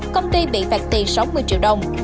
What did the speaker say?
công ty bị phạt tiền sáu mươi triệu đồng